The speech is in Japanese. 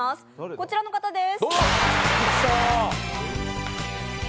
こちらの方です。